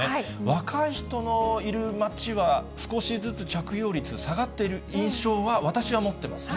若い人のいる街は、少しずつ着用率、下がっている印象は、私は持ってますね。